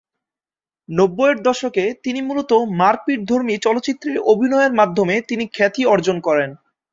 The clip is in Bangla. নব্বইয়ের দশকে তিনি মূলত মারপিটধর্মী চলচ্চিত্রে অভিনয়ের মাধ্যমে তিনি খ্যাতি অর্জন করেন।